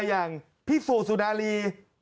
อย่างพี่ศูษูดารี